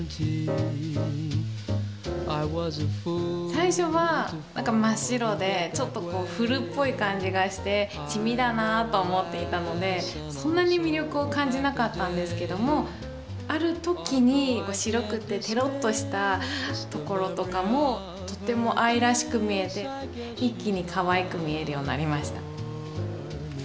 最初は何か真っ白でちょっとこう古っぽい感じがして地味だなと思っていたのでそんなに魅力を感じなかったんですけどもある時に白くてテロッとしたところとかもとても愛らしく見えて一気にかわいく見えるようになりました。